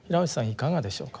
いかがでしょうか？